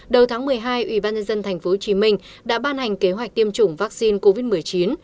đầu tháng một mươi hai ủy ban nhân dân tp hcm đã ban hành kế hoạch tiêm chủng vaccine covid một mươi chín